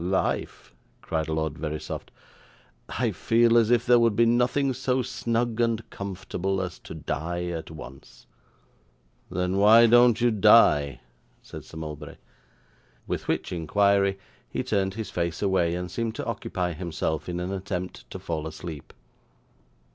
'Life!' cried Lord Verisopht. 'I feel as if there would be nothing so snug and comfortable as to die at once.' 'Then why don't you die?' said Sir Mulberry. With which inquiry he turned his face away, and seemed to occupy himself in an attempt to fall asleep.